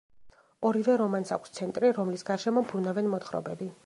ორივე რომანს აქვს ცენტრი, რომლის გარშემო ბრუნავენ მოთხრობები.